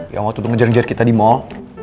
yang waktu ngejar jari kita di mall